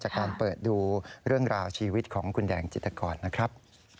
จากการเปิดดูเรื่องราวชีวิตของคุณแดงจิตกรนะครับ